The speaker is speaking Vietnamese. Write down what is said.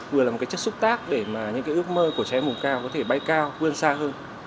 vừa là một cái chất xúc tác để mà những cái ước mơ của trẻ em vùng cao có thể bay cao vươn xa hơn